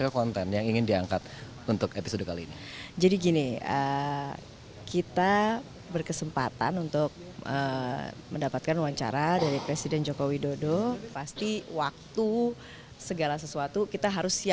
kita cari tahu